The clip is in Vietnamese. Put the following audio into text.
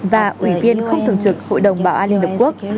và ủy viên không thường trực hội đồng bảo an liên hợp quốc